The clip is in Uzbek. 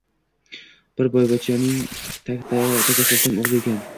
Bir boyvachchaning takasaltang o`g`li ekan